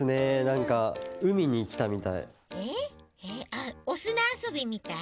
あっおすなあそびみたい？